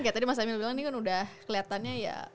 kayak tadi mas emil bilang ini kan udah kelihatannya ya